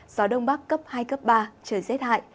gió đông bắc cấp hai cấp ba trời rét hại